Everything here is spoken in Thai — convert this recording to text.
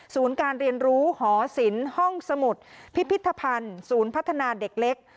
การเรียนรู้หอศิลป์ห้องสมุดพิพิธภัณฑ์ศูนย์พัฒนาเด็กเล็ก